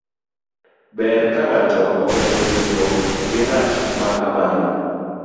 Ber ka ng'ato oketho tudruok gi ng'at ma kamano.